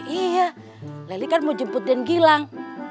iya leli kan mau jemput den gilang